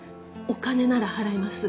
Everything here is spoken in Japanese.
お金なら払います。